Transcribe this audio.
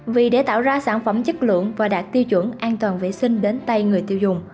vì để tạo ra sản phẩm chất lượng và đạt tiêu chuẩn an toàn vệ sinh đến tay người tiêu dùng